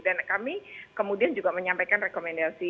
kami kemudian juga menyampaikan rekomendasi